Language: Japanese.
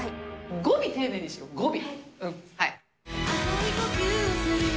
語尾丁寧にしよう、語尾。